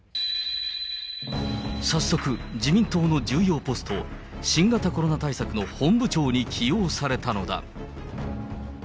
早速、自民党の重要ポスト、新型コロナ対策の本部長に起用されたのだ。